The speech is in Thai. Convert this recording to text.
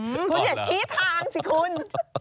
คุณอย่าชี้ทางสิคุณ